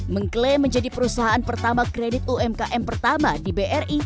mengklaim menjadi perusahaan pertama kredit umkm pertama di bri